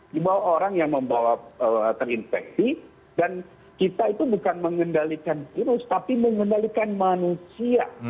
dibawa orang yang terinfeksi dan kita itu bukan mengendalikan virus tapi mengendalikan manusia